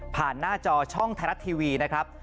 หน้าจอช่องไทยรัฐทีวีนะครับ